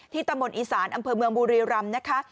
ที่ตะมนต์อีสานอำเภอเมืองบูรีรำนะคะ